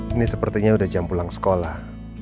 ini sepertinya udah jam pulang sekolah